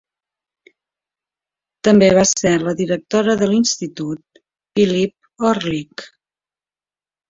També va ser la directora de l'Institut Pylyp Orlyk.